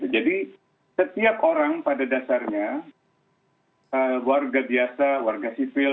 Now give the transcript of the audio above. jadi setiap orang pada dasarnya warga biasa warga sivil